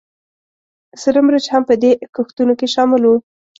سره مرچ هم په دې کښتونو کې شامل وو